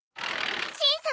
しん様！